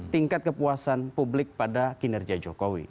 tingkat kepuasan publik pada kinerja jokowi